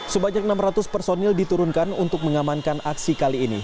sebanyak enam ratus personil diturunkan untuk mengamankan aksi kali ini